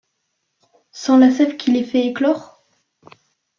sans la sève qui les fait éclore ?